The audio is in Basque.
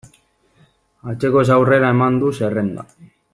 Atzekoz aurrera eman du zerrenda.